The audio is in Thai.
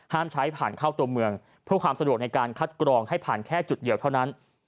ใช้ผ่านเข้าตัวเมืองเพื่อความสะดวกในการคัดกรองให้ผ่านแค่จุดเดียวเท่านั้น